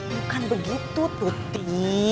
bukan begitu tuti